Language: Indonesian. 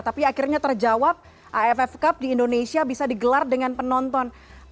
tapi akhirnya terjawab aff cup di indonesia bisa digelar dengan penonton